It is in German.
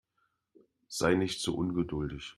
Sei nicht so ungeduldig.